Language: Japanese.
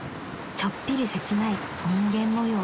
ちょっぴり切ない人間模様］